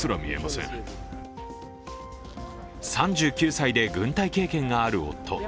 ３９歳で軍隊経験がある夫。